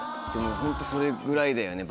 ホントそれぐらいだよね